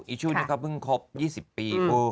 อีชูนี้ก็เพิ่งครบ๒๐ปี